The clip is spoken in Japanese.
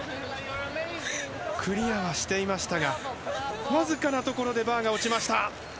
クリアはしていましたがわずかなところでバーが落ちました。